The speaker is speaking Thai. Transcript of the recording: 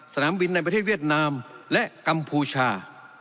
สนามบินในประเทศเวียดนามและกัมพูชา